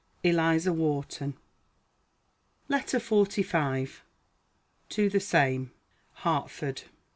ELIZA WHARTON. LETTER XLV. TO THE SAME. HARTFORD.